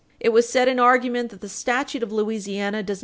It as said in argument that the statute of Louisiana does Page 163 U. S.